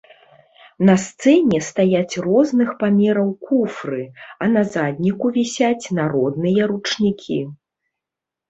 На сцэне стаяць розных памераў куфры, а на задніку вісяць народныя ручнікі.